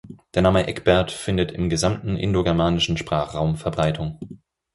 Der Name Eckbert findet im gesamten indo-germanischen Sprachraum Verbreitung.